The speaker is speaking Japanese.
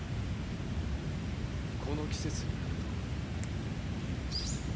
この季節になるとーー。？